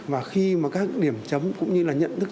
và khi mà các điểm chấm cũng như là nhận thức